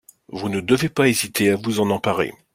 Vous ne devez pas hésiter à vous en emparer.